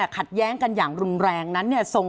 ขัดแย้งกันอย่างรุนแรงนั้น